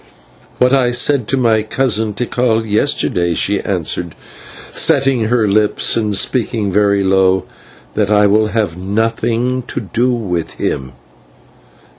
"What I said to my cousin Tikal yesterday," she answered, setting her lips and speaking very low "that I will have nothing to do with him."